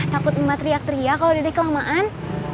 takut emak teriak teriak kalo dedek kelamaan